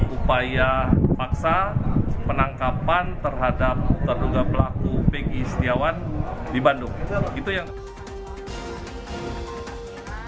upaya paksa penangkapan terhadap terduga pelaku peggy setiawan di bandung